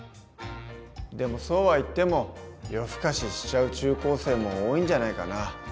でもそうはいっても夜更かししちゃう中高生も多いんじゃないかな？